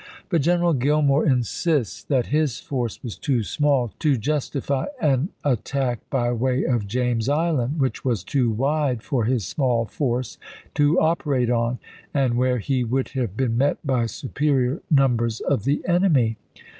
But General Gillmore insists June, lsk that his force was too small to justify an attack by way of James Island, which was too wide for his small force to operate on, and where he would have been met by superior numbers of the enemy.